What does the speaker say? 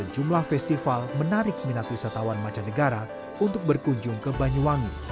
jumlah festival menarik minat wisatawan mancanegara untuk berkunjung ke banyuwangi